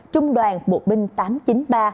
trung đoàn bộ binh tám trăm chín mươi ba